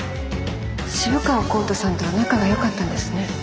渋川孔太さんとは仲がよかったんですね。